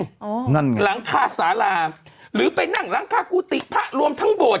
อ๋อนั่นไงหลังคาสาราหรือไปนั่งหลังคากุฏิพระรวมทั้งโบสถ